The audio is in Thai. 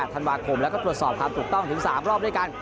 ธันวาคมแล้วก็ตรวจสอบความถูกต้องถึง๓รอบด้วยกัน